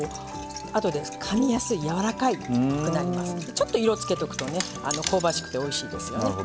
ちょっと色をつけとくとね香ばしくておいしいですよね。